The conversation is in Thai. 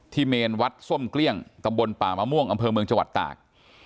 เมนวัดส้มเกลี้ยงตำบลป่ามะม่วงอำเภอเมืองจังหวัดตาก